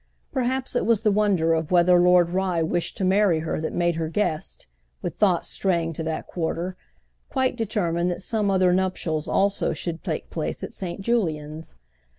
Perhaps it was the wonder of whether Lord Rye wished to marry her that made her guest, with thoughts straying to that quarter, quite determine that some other nuptials also should take place at Saint Julian's.